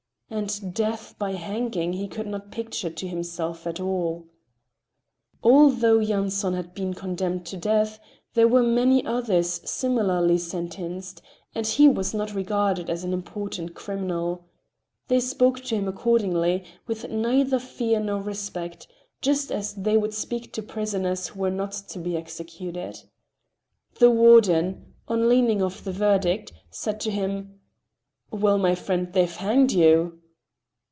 And death by hanging he could not picture to himself at all. Although Yanson had been condemned to death, there were many others similarly sentenced, and he was not regarded as an important criminal. They spoke to him accordingly, with neither fear nor respect, just as they would speak to prisoners who were not to be executed. The warden, on learning of the verdict, said to him: "Well, my friend, they've hanged you!"